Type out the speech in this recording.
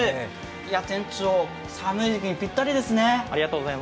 店長、寒い時期にぴったりですね。